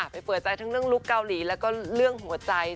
เปิดใจทั้งเรื่องลุคเกาหลีแล้วก็เรื่องหัวใจ